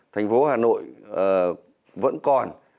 thành phố hà nội vẫn còn